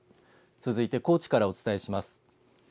続いて高知からお伝えします。